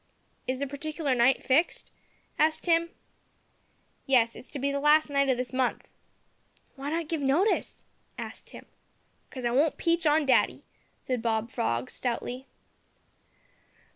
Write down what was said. "Is the partikler night fixed?" asked Tim. "Yes; it's to be the last night o' this month." "Why not give notice?" asked Tim. "'Cause I won't peach on daddy," said Bob Frog stoutly.